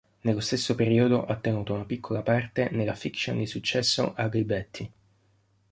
Nello stesso periodo ha ottenuto una piccola parte nella fiction di successo "Ugly Betty".